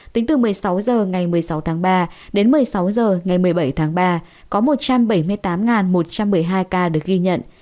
tính từ một mươi sáu h ngày một mươi sáu tháng ba đến một mươi sáu h ngày một mươi bảy tháng ba có một trăm bảy mươi tám một trăm một mươi hai ca được ghi nhận